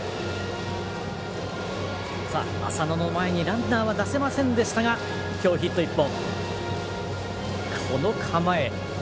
浅野の前にランナーは出せませんでしたがきょう、ヒット１本。